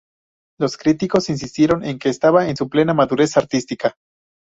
Los críticos insistieron en que estaba en su plena madurez artística.